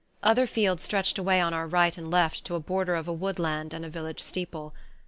Other fields stretched away on our right and left to a border of woodland and a village steeple.